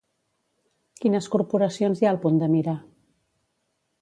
Quines corporacions hi ha al punt de mira?